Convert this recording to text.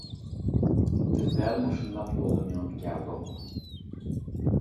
بىز دەل مۇشۇنداق يولدا مېڭىپ كەلدۇق.